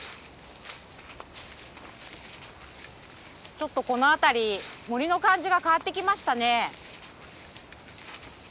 ちょっとこの辺り森の感じが変わってきましたね。